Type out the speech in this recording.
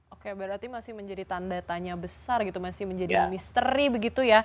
oke berarti masih menjadi tanda tanya besar gitu masih menjadi misteri begitu ya